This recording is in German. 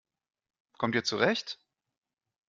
Kommt ihr zurecht?